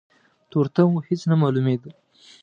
تورتم و هيڅ نه مالومېدل.